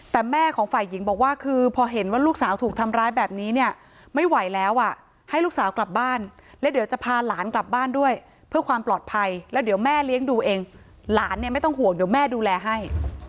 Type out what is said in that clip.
แต่แม่ของฝ่ายหญิงบอกว่าคือพอเห็นว่าลูกสาวถูกทำร้ายแบบนี้เนี่ยไม่ไหวแล้วอ่ะให้ลูกสาวกลับบ้านแล้วเดี๋ยวจะพาหลานกลับบ้านด้วยเพื่อความปลอดภัยแล้วเดี๋ยวแม่เลี้ยงดูเองหลานเนี่ยไม่ต้องห่วงเดี๋ยวแม่ดูแลให้